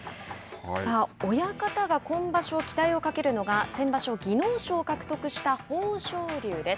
親方が、今場所期待をかけるのが先場所技能賞を獲得した豊昇龍です。